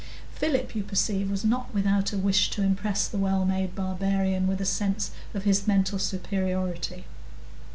(Philip, you perceive, was not without a wish to impress the well made barbarian with a sense of his mental superiority.)